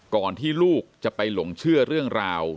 ที่ลูกจะไปหลงเชื่อเรื่องราว